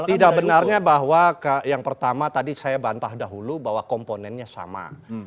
tidak benarnya bahwa yang pertama tadi saya bantah dahulu bahwa komponennya sama